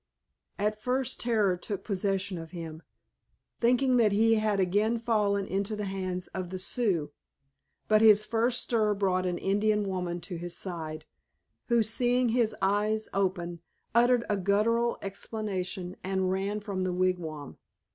At first terror took possession of him, thinking that he had again fallen into the hands of the Sioux. But his first stir brought an Indian woman to his side, who, seeing his eyes open, uttered a guttural exclamation and ran from the wigwam.